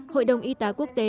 hội đồng y tá quốc tế